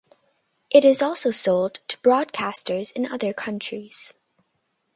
It is also sold to broadcasters in other countries.